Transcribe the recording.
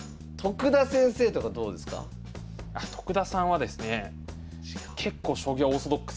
徳田さんはですね